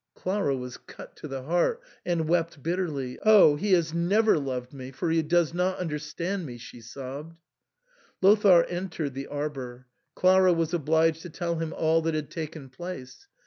Clara was cut to the heart, and wept bitterly. " Oh ! he has never loved me, for he does not understand me," she sobbed Lothair entered the arbour. Clara was obliged to tell him all that had taken place.